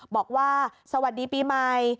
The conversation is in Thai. บอกว่าสวัสดีปีใหม่